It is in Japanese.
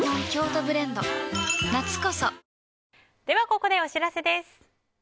ここでお知らせです。